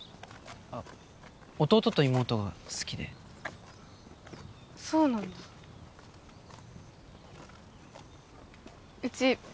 あ弟と妹が好きでそうなんだうち